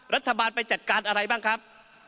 รัฐบาลไปจัดการอะไรบ้างครับ